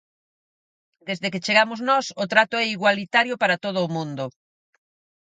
Desde que chegamos nós o trato é igualitario para todo o mundo.